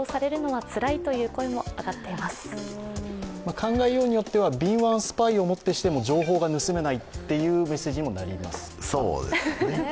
考えようになっては、敏腕スパイをもってしても情報が盗めないというメッセージにもなりますね。